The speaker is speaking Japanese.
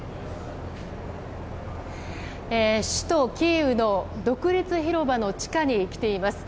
首都キーウの独立広場の地下に来ています。